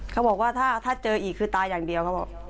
เขาบอกว่าถ้าเจออีกคือตายอย่างเดียวเขาบอก